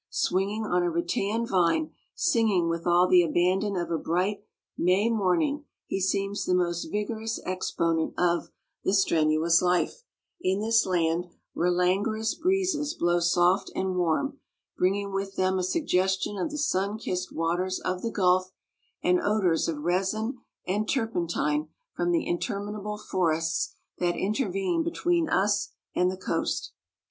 Swinging on a rattan vine, singing with all the abandon of a bright May morning he seems the most vigorous exponent of "the strenuous life" in this land where languorous breezes blow soft and warm, bringing with them a suggestion of the sun kissed waters of the Gulf and odors of resin and turpentine from the interminable forests that intervene between us and the coast.